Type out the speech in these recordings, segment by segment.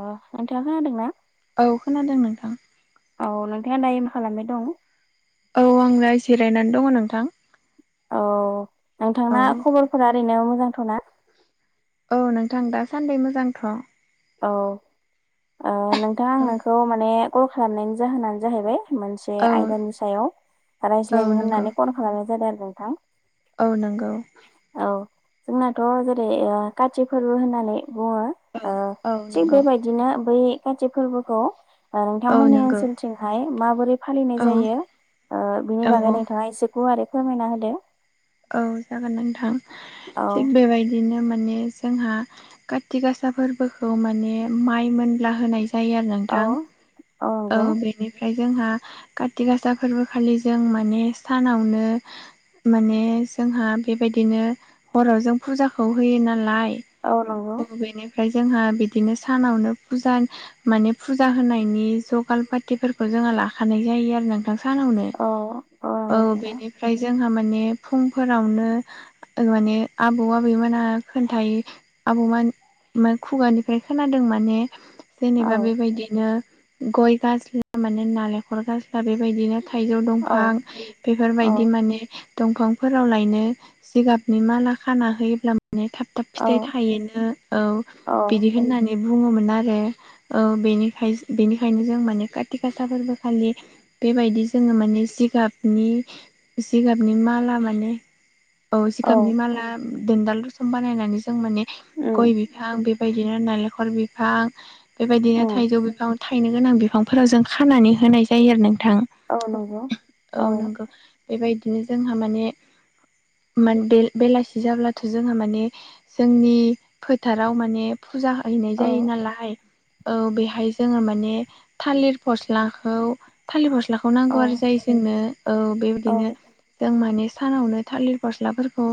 अ नोंथाङा खोनादोंना औ खोनादों नोंथां। औ नोंथाङा दायो मा खालामनाय दं? औ आं नै जिरायनानै दङ नोंथां। औ औ नोंथांना खबरफोरा ओरैनो मोजांथ'ना? औ नोंथां दासान्दै मोजांथ' औ ओ नोंथां आं नोंखौ माने कल खालामनायनि जाहोनानो जाहैबाय मोनसे औ आयदानि सायाव औ रायज्लायनो नंगौ होननानै कल खालामनाय जादों आरो नोंथां। औ नंगौ। औ जोंनाथ' जेरै ओ काति फोरबो होननानै बुङो ओ औ। थिग नंगौ बेबायदिनो बै काति फोरबोखौ। औ नोंथांमोननि नंगौ ओनसोलथिंहाय माबोरै फालिनाय औ जायो ओ बिनि औ बागै औ नोंथाङा एसे गुवारै फोरमायना होदो। औ जागोन नोंथां औ थिग बेबायदिनो माने माने जोंहा खाथि गासा फोरबोखौ माने माइ मोनब्ला होनाय जा जायो आरो औ नोंथां। औ बेनिफ्राय जोंहा काति गासा फोरबोखालि जों माने सानावनो माने जोंहा बेबायदिनो हराव जों फुजाखौ होयो नालाय औ। नंगौ औ बेनो ओमफ्राय जोंहा बिदिनो सानावनो फुजा माने फुजा होनायनि जगाल पातिफोरखौ जों हा लाखानाय जायो आरो ना सानावनो औ औ नंगौ नोंथां बेनिफ्राय जोंहा माने फुंफोरावनो माने आबौ आबैमोनहा खोन्थायो। आबौमोन खुगानिफ्राय खोनादों माने औ जेनेबा बेबायदिनो गय गास्ला माने नालेंखर गास्ला बेबायदिनो थाइजौ औ दंफां औ बेफोरबायदि माने दंफांफोराव लायनो जिगाबनि माला खाना होयोब्ला माने थाब थाब औ फिथाइ थायो नो औ औ बिदि होननानै बुङोमोन आरो औ बेनिखायसो बेनिखायनो जों माने काथि गासा फोरबो खालि बेबायदि जोङो माने जिगाबनि जिगाबनि माला माने [inaudible] औ जिगाबनि माला दिदाल रसम बानायनानै जों माने गय उम बिफां बेबायदिनो नालेंखर बिफां बेबायदिनो उम थाइजौ बिफां। थायनो गोनां बिफांफोराव जों खानानै होनाय जायो आरो नोंथां औ औ नंगौ। बेबायदिनो जोंहा माने मन बे बेलासि जाब्लाथ' जोंहा माने जोंनि फोथाराव माने फुजा हैनाय औ जायो नालाय औ बेहाय जोङो माने थालिर फस्लाखौ थालिर फस्ला सिख्लाखौ औ नांगौ आरो जायो जोंनो औ औ बेबायदिनो जों माने सानावनो। थालिर फस्लाफोरखौ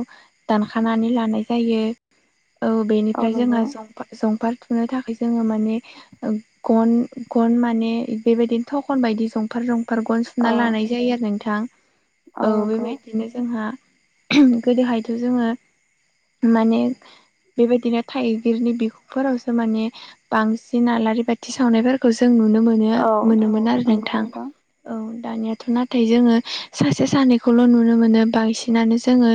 दानखानानै लानाय जायो। औ औ बेनिफ्राय जोंहा नंगौ जंफार जंफार- थुनो थाखाय जोङो माने गन गन माने बेबायदिनो थखन बायदि जंफार जं पारगन औ सुना लानाय जायो आरो नोंथां। औ बेबायदिनो जोंहा गोदोहायथ' जोङो माने। [inaudible] बेबायदिनो थाइगिरनि बिखुरफोरावसो माने बांसिन आलारि बाथि सावनायफोरखौसो जों नुनो मोनो औ मोनोमोन आरो नोंथां औ दानियाथ' नाथाय जोङो सासे सानैखौल' नुनो मोनो बांसिनानो जोङो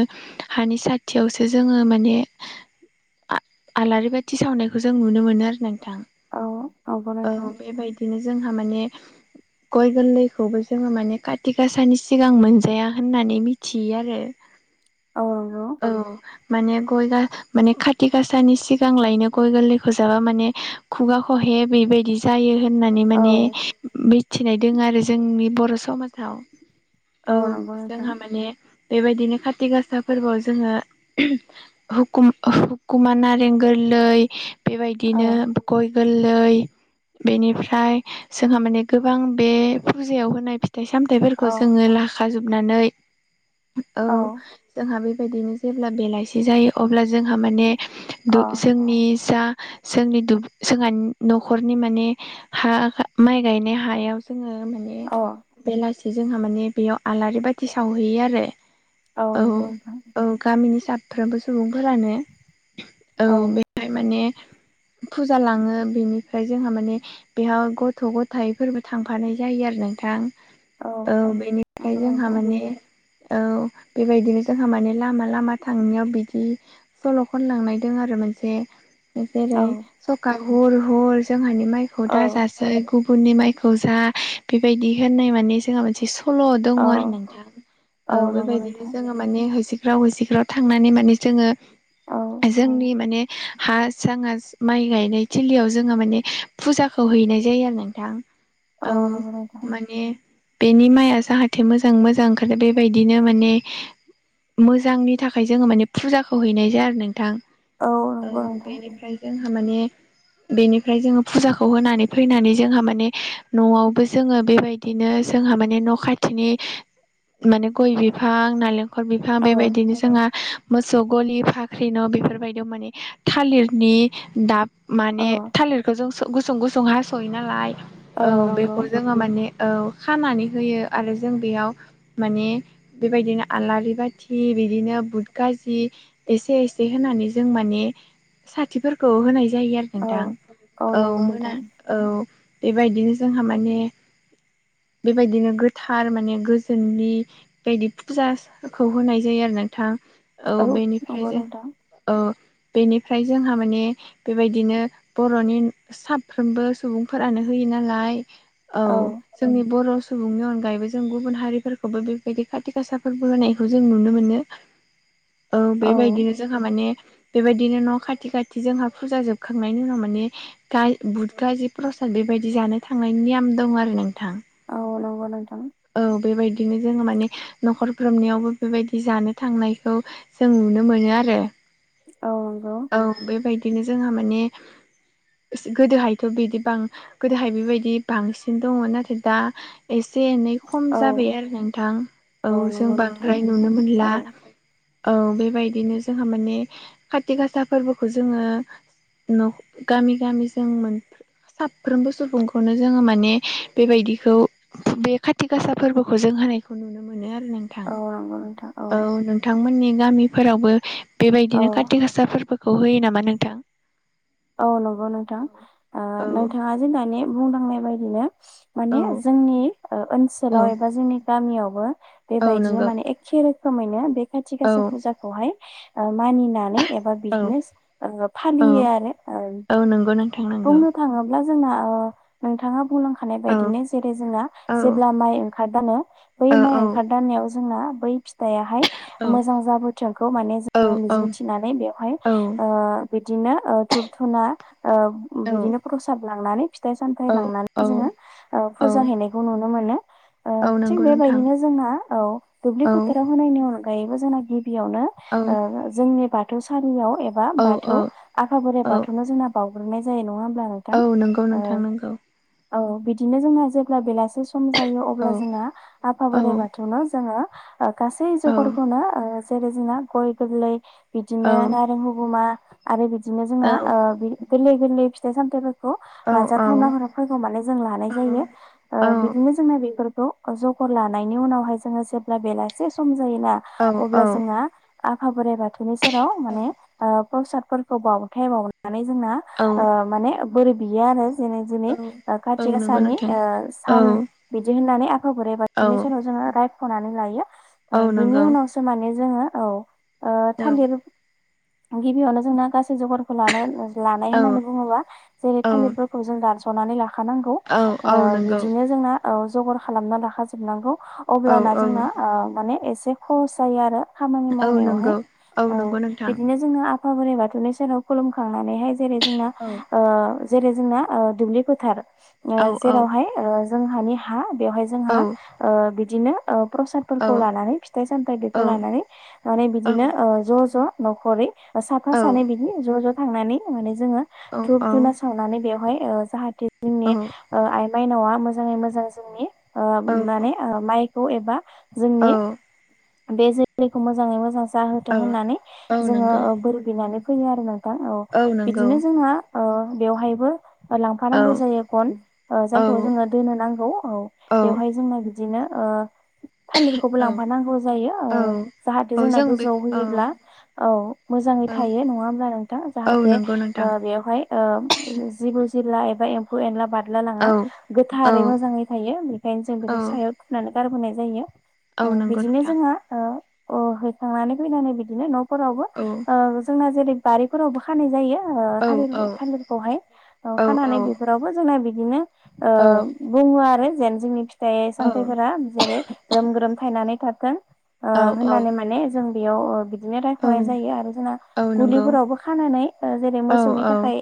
हानि स खाथियावसो जोङो माने आलारि बाथि सावनायखौ जों नुनो मोनो आरो ना। नोंथां औ नंगौ ओ नोंथां बेबायदिनो जोंहा माने गय गोरलैखौबो जोङो माने कातिगाासानि सिगां मोनजाया होननानै मिथियो आरो। औ नंगौ औ माने गयगा माने खाथि गाासानि सिगां लायनो गय गोरलैखौ जाबा माने खुगा खहे बेबायदि जायो। होननानै औ माने मिथिनाय दङ आरो जोंनि बर' समाजाव। औ नंगौ नोंथां जोंहा माने बेबायदिनो काति गासा फोरबोआव जोङो। हुुकुम हुकुमा नारें गोरलै औ बेबायदिनो गय। गोरलै बेनिफ्राय जोंहा माने गोबां बे फुजायाव होनाय फि- फिथाइ औ सामथाइफोरखौ जोङो लाखा जोबनानै औ जोंहा बे बेबायदिनो जेब्ला बेलाइसि जायो अब्ला जोंहा माने अ दु जोंनि जा जोंनि दु जोंहानि न'खरनि माने हा माइ गायनाय हायाव जोङो माने अ बेलासि जोंहा माने बेयाव आलारि बाथि सावहैयो आरो। औ नंगौ नोंथां औ गामिनि सा फ्रोमबो सुबुंफोरानो औ बेहाय माने [inaudible] फुजा लाङो बेनिफ्राय जोंहा माने बेयाव गथ' गथायफोरबो थांफानाय जायो आरो नोंथां। औ बेनिफ्राय नंगौ जोंहा नोंथां माने। औ बेबायदिनो जोंहा माने लामा लामा थांनायाव बिदि सल' खनलांनाय दं आरो मोनसे औ जेरै सखा हर हर जोंहानि माइखौ औ दाजासै गुब उननि माइखौ जा बेबायदि होननाय माने जोंहा मोनसे सल दङ औ आरो नोंथां औ नंगौ बेबायदिनो नोंथां जोंङो माने होसिगख्राव होसिख्राव थांनानै माने। जोंङो औ जोंनि माने हा साङा माइ गायनाय थिलियाव जोंङो माने फुजाखौ हैनाय जायो आरो नोंथां। औ नंगौ नोंथां माने। बेनि माइया जाहाथे मोजां मोजां ओंखारो बेबायदिनो माने मोजांनि थाखाय जोंङो माने- फुजाखौ हैनाय जाया आरो नोंथां औ नंगौ नोंथां बेनिफ्राय जोंहा माने [inaudible] बेनिफ्राय जोंङो फुजाखौ होनानै फैनानै जोंहा माने न'आवबो जोंङो बेबायदिनो जों हा माने न' खाथिनि माने गय बिफां नालेंख खर बिफां औ बेबायदिनो जोंहा मोसौ गलि फाख्रि न बेफोरबायदियाव माने थालिरनि दाब औ माने थालिरखौ जों गुसुं गुसुं हासयो नालाय औ बेखौ जोंङो माने औ खानानै होयो आरो जों बेयाव माने बेबायदिनो आलारि बाथि बिदिनो बुट गाजि एसे एसे होनानै जों माने साथिफोरखौ होनाय जायो आरो औ नोंथां औ नंगौ मोना नोंथां औ बेबायदिनो जोंहा माने बेबायदिनो गोथार माने गोजोननि बेबादि फुजाखौ होनाय जायो आरो। नोंथां औ बेनिफ्राय नंगौ जे नोंथां औ बेनिफ्राय जोंहा माने बेबायदिनो बर'नि साफ्रोमबो सुबुंफोरानो होयो। नालाय औ जोंनि बर' सु सुबुंनि अनगायैबो जों गुबुन हारिफोरखौबो बेबायदि खाथि गासा फोरबो होनायखौ जों नुनो मोनो। औ बेबायदिनो जोंहा माने बेबायदिनो न खाथि खाथि जोंहा फुजा जोबखांनायनि उनाव माने गा बुदगाजि प्रसाद बेबायदि जानो थांनायनि नियम दं आरो नोंथां। औ नंगौ नोंथां। औ बेबायदिनो जोंङो माने न'खरफ्रोमनियावबो बेबायदि जानो थांनायखौ जों नुनो मोनो आरो। औ नंगौ औ बेबायदिनो जोंहा माने गोदोहायथ बिदि बां गोदोहाय बेबायदि बांसिन दङ नाथाय दा एसे एनै खम औ जाबाय आरो नोंथां औ जों नंगौ नोंथां बांद्राय नुनो मोनला। [inaudible] औ बेबायदिनो जोंहा माने खाथि गासा फोरबोखौ जोंङो न' गामि गामिजों मोनफ्रो साफ्रोमबो सुबुंखौनो जोंङो माने बेबायदिखौ बे खाथि गासा फोरबोखौ जोंङो होननायखौ नुनो मोनो आरो नोंथां औ नंगौ नोंथां औ नोंथांमोननि गामिफोरावबो बेबायदिनो औ कार्ति गासा फोरबोखौ होयो नामा नोंथां? औ नंगौ नोंथां ओ नोंथाङा जे दानि बुंलांनाय बायदिनो माने औ जोंनि औ ओनसोलाव एबा जोंनि गामियावबो औ बेबायदिनो नंगौ माने एखे रोखोमैनो बे खाथि औ गासा फुजाखौहाय ओ मानिनानै एबा औ बिजनेस औ फालियो आरो। ओ औ नंगौ नों बुंनो थाङोब्ला जोंना ओ नोंथाङा बुंलां खानाय औ बायदिनो जेरै जोंना औ जेब्ला माय ओंखार दानो बै औ माइ औ ओंखारदानायाव जोंना बै फिथायाहाय औ मोजां जाबोथोंखौ माने औ जोंङो मिजिंथिनानै बेवहाय औ ओ बिदिनो ओ धुप धुना ओ बिदिनो प्रसाद लांनानै फिथाइ सामथायाइ औ लांनानै जोंङो ओ औ फुजा हैनायखौ नुनो मोनो। ओ औ थिग नंगौ नोंथां बेबायदिनो जोंना औ दुब्लि औ फोथाराव होनायनि अनगायैबो जोंना गि बेयावनो औ ओ जोंनि बाथौसालियाव एबा औ औ बाथौ आफा बोराइ औ बाथौनो जोंना बावग्रोमनाय जायो नङा होमबा? औ नंगौ नोंथां नंगौ। औ बिदिनो जोंहा जेब्ला बेलासे सम जायो औ अब्ला जोंहा आफा औ बोराइ बाथौनो जोङो ओ गासै औ जगरखौनो जेरै जोंना गय गोरलै औ बिदिनो नारें हगुमा आरो बिदिनो जोंना ओ गोरलै गोरलै फिथाइ सामथाय खौ लाजाथावनाफोरखौ माने जों लानाय जायो बिदिनो जोंना बेफोर खौ जगर लानायनि उनावहाय जोङो जेब्ला बेलासे सम जायोना औ अब्ला औ जोंहा आफा बोराइ बाथौनि सेराव माने ओ प्रसादफोरखौ बावथाय बावनानै जोंना औ ओ औ माने बोरै बियो आरो दिनै दिनै औ ओ औ काति नंगौ गासानि‌ नोंथां ओ औ सान बिदि होननानै आ फा बोराइ औ बाथौनि सेराव जोङो रायख'नानै लायो औ ओ बिनि नंगौ उनावसो माने जोङो औ ओ औ थालिर गिबियावनो जोंना गासै जगारखौ लानो लानाय औ होननानै बुङोबा जेरै औ थालिरफोरखौ जों दानस'नानै लाखानांगौ औ ओ औ नंगौ बिदिनो जोंना औ जगार खालामना लााखाजोबनांगौ औ अब्लाना औ जोंना ओ माने एसे खहस जायो आरो खामानि औ मावनायावहाय नंगौ औ ओ नंगौ नोंथां बिदिनो जोङो आ आफा बोराइ बाथौनि सेराव खुलुमखांनानैहाय जेरै जोंना औ ओ जेरै जोंना ओ दुब्लि फोथार ओ औ औ जेरावहाय ओ जोंहानि हा बेवहाय औ जोंहा ओ बिदिनो ओ प्रसादफोरखौ लानानै फिथाइ सामथाइ बेखौ औ लानानै माने औ बिदिनो ओ ज' ज' न'खरै ओ साफा सानै बिदि ज'-ज' थांनानै माने जोङो धुप औ धुना सावनानै बेवहाय ओ जाहाथे जोंनि ओ आइ माइनावा मोजाङै मोजां जोंनि ओ माने माइखौ एबा जोंनि बे जोलैखौ मोजाङै मोजां जाहोथों औ होननानै औ जोङो नंगौ बोर बिनानै फैयो आरो नों थां औ बिदिनो जोंहा ओ बेवहायबो औ लांफानांगौ जायो गन ओ औ जायखौ जोङो दोननो नांगौ औ औ बेवहाय जोंनो दिनो ओ थालिरखौबो लांफानांगौ जायो औ ओ जाहाथे औ जोंना जों बे गोजौआव औ होयोब्ला औ मोजाङै औ थायो नङा होमब्ला नोंथां औ जाहाथे नंगौ नोंथां ओ बेवहाय ओ जिबौ जिलला एबा एम्फौ एनला बा द्ला औ लाङा औ गोथारै मोजाङै थायो बेखायनो जों औ बेखौ सायाव थुनानै गारबोनाय जायो ओ औ नंगौ बिदिनो नोंथां जोंहा ओ अ होखांनानै फैनानै बिदिनो न'फोरावबो औ ओ जोंना जेरै बारिफोरावबो खानाय जायो ओ औ थालिर- औ थालिरखौहाय औ खानानै बेफोरावबो जोंना बिदिनो ओ औ बु बुङो आरो जेन जोंनि फिथाइ सामथायाइफोरा जेरै ग्रोम ग्रोम थायनानै थाथों ओ औ होननानै माने जों बेयाव ओ बि बिदिनो औ रायख'नाय जायो आरो जोंना औ नंगौ गुलिफोरावबो खानानै ओ जेरै औ मोसौनि औ थाखाय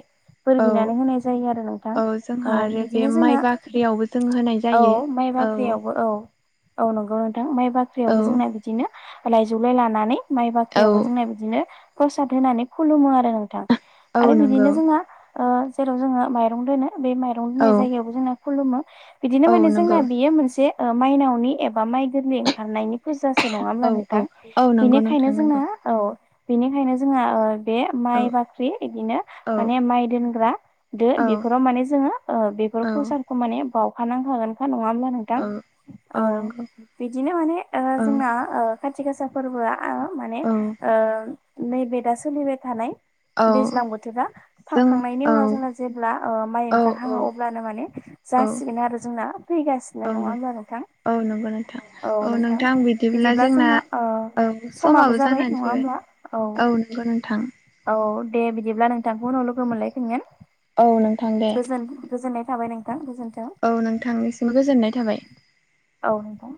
बोर औ बिनानै होनाय जायो आरो नोंथां औ औ जोंहा आरो बे बिदिनो माइ जोंना बाख्रियावबो जों होनाय औ जायो माइ औ बाख्रियाव औ नोंथां माइ औ बाख्रियावबो दिनो लाइजौलाय लानानै माइ औ बाख्रियावबो जोंना बिदिनो प्रसाद होनानै खुलुमो आरो नोंथां औ आरो नंगौ बिदिनो जोंहा ओ जेराव जोङो माइरं दोनो बे माइरं औ दोननाय जायगायावबो जोंना खुलुमो बिदिनो औ माने नंगौ जोंना बेयो मोनसे ओ माइनावनि एबा माइ गोरलै ओंखारनायनि फुजासो नङा औ होमब्ला औ नोंथां औ नंगौ बेनिखायनो नोंथां नंगौ जोङो औ बिनिखायनो जोङा ओ बे औ माइ बाख्रि इदिनो औ माने माइ दोनग्रा दो औ बेफोराव माने जोङो ओ बे फोर औ प्रसादखौ माने बाव फानांखागोनखा नङा होमब्ला नोंथां औ औ बिदिनो माने ओ औ जोंना ओ खाथि गासा फोरबोआ माने औ ओ नैबे दा सोलिबाय थानाय औ दैज्लां बोथोरा जों थांखांनायनि औ उनाव जोङो जेब्ला ओ माइ औ औ ओंखारहाङो अब्लानो माने जासिगोन आरो जोंना फैगासिनो नङा होमबा नोंथां औ नंगौ नोंथां औ नों थां बिदिब्ला जोंना औ समाबो जाबाय जानानै नङा फैबाय होमब्ला औ नंगौ नोंथां औ दे बिदिब्ला नोंथांखौ उनाव लोगो मोनलायफिनगोन औ नोंथां दे। गोजोन-गोजोननाय थाबाय नोंथां गोजोन औ नोंथांनि सिम गोजोननाय थाबाय औ नोंथां